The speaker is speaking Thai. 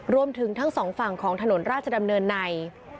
รวมถึงทั้งสองฝั่งของถนนราชดำเนินใน